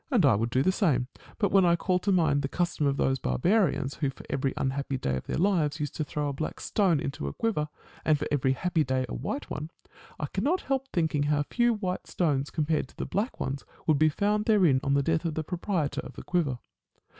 And I would do the same. But when I call to mind the custom of those barbarians, who, for every unhappy day of their lives, used to throw a black stone into a quiver, and for every happy day a white one, I cannot help thinking how few white stones compared to the black ones would be found therein on the death of the proprietor of the quiver.